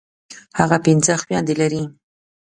هغه پنځه خويندي لري.